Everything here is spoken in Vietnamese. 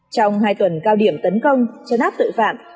trong hai tuần cao điểm tấn công chấn áp tội phạm